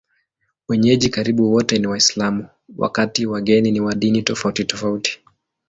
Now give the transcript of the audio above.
Wenyeji karibu wote ni Waislamu, wakati wageni ni wa dini tofautitofauti.